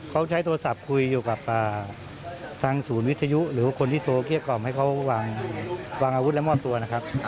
เขาใช้โทรศัพท์คุยอยู่กับทางศูนย์วิทยุหรือว่าคนที่โทรเกลี้ยกล่อมให้เขาวางอาวุธและมอบตัวนะครับ